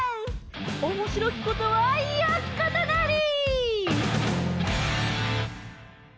「おもしろきことはよきことなり」！